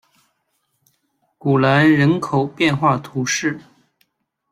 古兰人口变化图示